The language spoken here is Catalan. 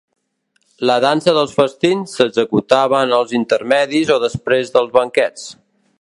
La dansa dels festins s'executava en els intermedis o després dels banquets.